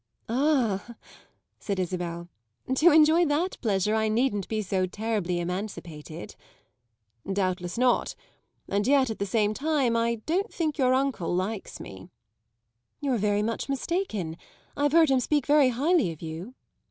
"Ah," said Isabel, "to enjoy that pleasure I needn't be so terribly emancipated." "Doubtless not; and yet, at the same time, I don't think your uncle likes me." "You're very much mistaken. I've heard him speak very highly of you."